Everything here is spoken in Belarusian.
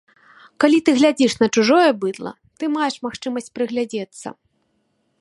Калі ты глядзіш на чужое быдла, ты маеш магчымасць прыглядзецца.